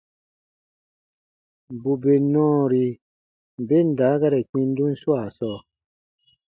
Bù bè nɔɔri ben daakari kpindun swaa sɔɔ,